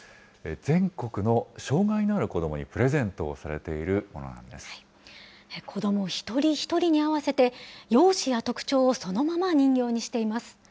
全国の障害のある子どもにプレゼ子ども一人一人に合わせて、容姿や特徴をそのまま人形にしています。